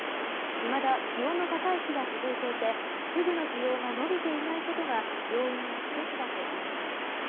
いまだ気温の高い日が続いていてフグの需要が伸びていないことが要因の１つだといいます。